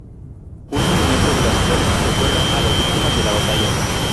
Un monumento de la ciudad recuerda a las víctimas de la batalla.